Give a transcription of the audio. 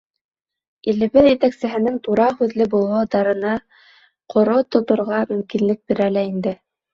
Илебеҙ етәксеһенең тура һүҙле булыуы дарыны ҡоро тоторға мөмкинлек бирә лә инде.